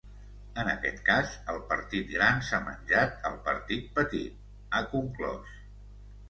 En aquest cas, el partit gran s’ha menjat el partit petit, ha conclòs.